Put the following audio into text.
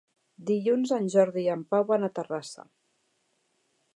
Dilluns en Jordi i en Pau van a Terrassa.